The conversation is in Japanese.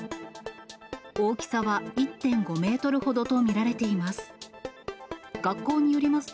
大きさは１．５メートルほどと見られています。